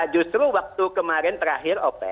justru waktu kemarin terakhir